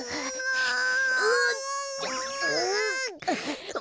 はあ。